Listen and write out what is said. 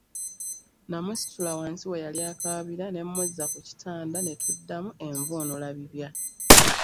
Namusitula wansi we yali akaabira ne mmuzza mu kitanda ne tuddamu envuunulabibya!